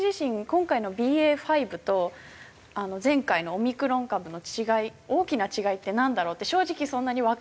今回のＢＡ．５と前回のオミクロン株の違い大きな違いってなんだろうって正直そんなにわからなかったり。